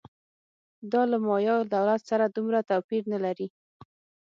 دا له مایا دولت سره دومره توپیر نه لري